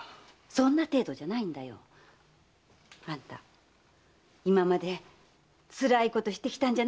そんな程度じゃないんだよ。あんた今までつらいことしてきたんじゃないのかい？